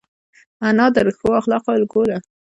انا د ښو اخلاقو الګو ده